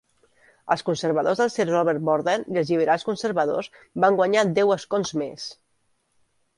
Els conservadors de Sir Robert Borden i els lliberals-conservadors van guanyar deu escons més.